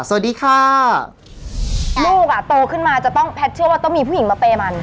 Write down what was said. สวัสดีค่ะลูกอ่ะโตขึ้นมาจะต้องแพทย์เชื่อว่าต้องมีผู้หญิงมาเปย์มัน